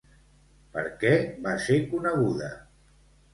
Per què va ser coneguda?